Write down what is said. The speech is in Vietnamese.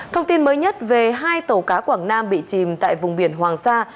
thông tin mới nhất về hai tàu cá quảng nam bị chìm tại vùng biển hoàng sa